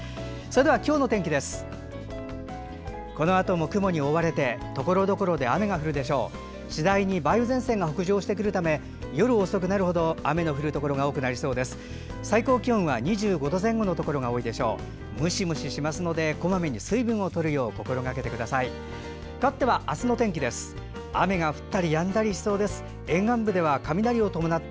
ムシムシしますのでこまめに水分をとるよう心がけてください。